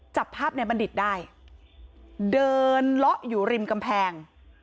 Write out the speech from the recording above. จับภาพในบัณฑิตได้เดินเลาะอยู่ริมกำแพง